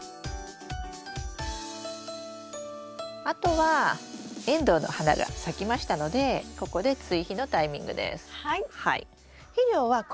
あとはエンドウの花が咲きましたのでここで追肥のタイミングです。